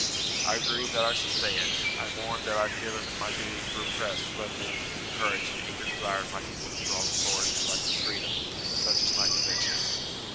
I grieve that I should say it. I mourn that I feel it my duty to repress rather than to encourage the eager desire of my people to draw the sword and strike for freedom; but such is my conviction.